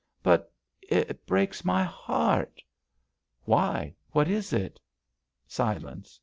"But it breaks — my heart!" "Why, what is it ?" Silence.